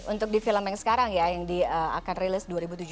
untuk di film yang sekarang ya yang akan rilis dua ribu tujuh belas